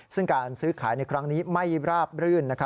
ซึ่งการซื้อขายในครั้งนี้ไม่ราบรื่น